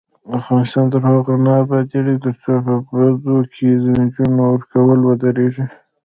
افغانستان تر هغو نه ابادیږي، ترڅو په بدو کې د نجونو ورکول ودریږي.